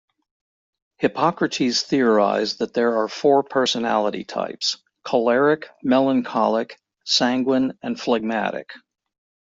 Hippocrates theorized that there are four personality types: choleric, melancholic, sanguine, and phlegmatic.